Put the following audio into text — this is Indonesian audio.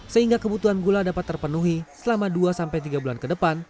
sehingga kebutuhan gula dapat terpenuhi selama dua sampai tiga bulan ke depan